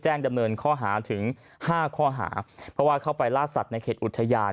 ดำเนินข้อหาถึงห้าข้อหาเพราะว่าเข้าไปล่าสัตว์ในเขตอุทยาน